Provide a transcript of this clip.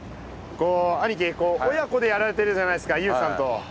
こう親子でやられてるじゃないですか優さんと。